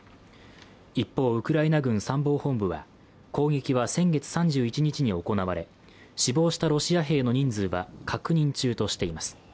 一方、ウクライナ軍参謀本部は攻撃は先月３１日に行われ死亡したロシア兵の人数は確認中としています。